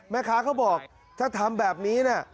แม่ค้าเขาบอกถ้าทำแบบนี้น่ะ